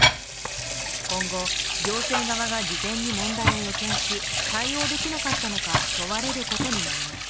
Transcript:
今後、行政側が事前に問題を予見し対応できなかったのか問われることになります。